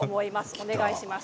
お願いします。